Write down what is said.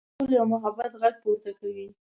خور د سولې او محبت غږ پورته کوي.